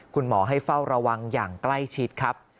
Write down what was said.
คุณหมอให้เฝ้าระวังอย่างใกล้ชิดครับ